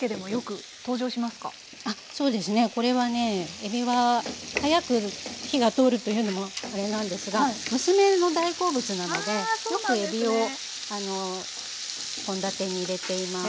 えびは早く火が通るというのもあれなんですが娘の大好物なのでよくえびを献立に入れています。